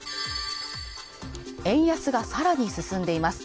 円安がさらに進んでいます